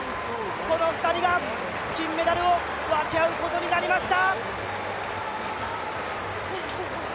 この２人が金メダルを分け合うことになりました。